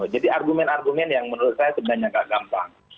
jadi argumen argumen yang menurut saya sebenarnya nggak gampang